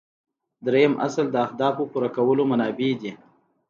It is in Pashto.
دریم اصل د اهدافو پوره کولو منابع دي.